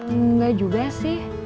enggak juga sih